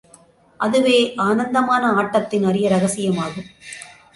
அதுவே, ஆனந்தமான ஆட்டத்தின் அரிய ரகசியமாகும்.